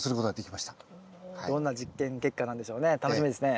どんな実験結果なんでしょうね楽しみですね。